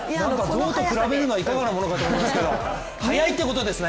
象と比べるのはいかがかと思いますけれども速いってことですね。